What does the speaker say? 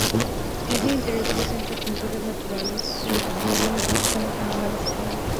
En el interior presenta pinturas murales de representaciones de personas, animales y flores.